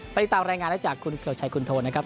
ติดตามรายงานได้จากคุณเกริกชัยคุณโทนนะครับ